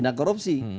yang anggaman korupsi